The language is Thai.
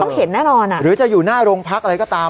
เห็นแน่นอนอ่ะหรือจะอยู่หน้าโรงพักอะไรก็ตาม